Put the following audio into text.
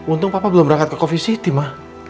untung papa belum berangkat ke covist city ma